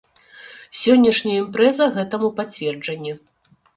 Сённяшняя імпрэза гэтаму пацверджанне.